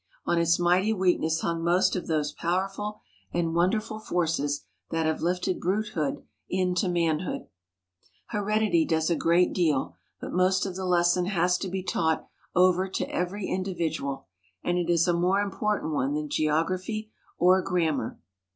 On its mighty weakness hung most of those powerful and wonderful forces that have lifted brutehood into manhood. Heredity does a great deal, but most of the lesson has to be taught over to every individual, and it is a more important one than geography or grammar.